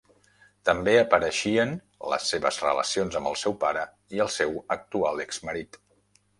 També apareixien les seves relacions amb el seu pare i el seu actual exmarit.